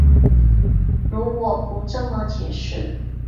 如果不这么解释